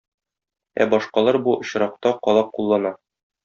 Ә башкалар бу очракта калак куллана.